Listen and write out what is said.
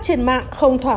trên mạng không thuộc